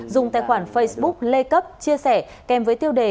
dùng tài khoản facebook lê cấp chia sẻ kèm với tiêu đề